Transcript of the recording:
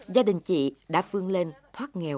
gia đình chị đã vươn lên thoát nghèo